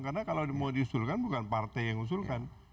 karena kalau mau diusulkan bukan partai yang usulkan